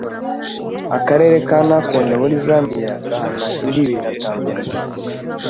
Akarere ka Nakonde muri Zambia gahana imbibi na Tanzania,